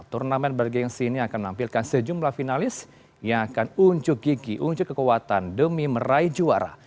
turnamen bergensi ini akan menampilkan sejumlah finalis yang akan unjuk gigi unjuk kekuatan demi meraih juara